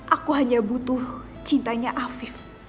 aku hanya butuh cintanya afif